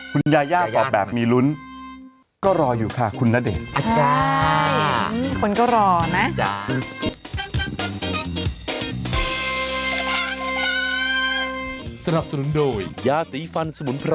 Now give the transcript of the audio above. คุณยาย่าตอบแบบมีลุ้นก็รออยู่ค่ะคุณณเดชน์